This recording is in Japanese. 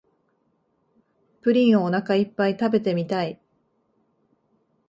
プリンをおなかいっぱい食べてみたい